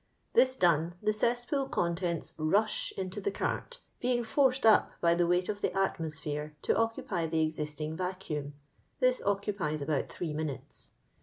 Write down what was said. This done, the cess pool contents rush into the cart, being farcei up by the weight of the atmosphere to occupy the existing vacuum; this occupies about three minutes.